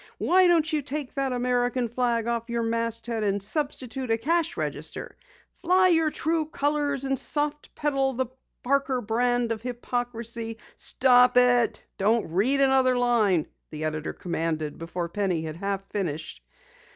WHY DON'T YOU TAKE THAT AMERICAN FLAG OFF YOUR MASTHEAD AND SUBSTITUTE A CASH REGISTER? FLY YOUR TRUE COLORS AND SOFT PEDAL THE PARKER BRAND OF HYPOCRISY!" "Stop it don't read another line!" the editor commanded before Penny had half finished.